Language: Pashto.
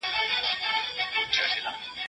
باید د ټولنو د انډول مطالعې ته اړتیا پېژندل سي.